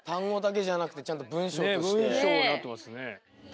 ねえ文章になってますね。